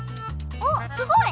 おっすごい！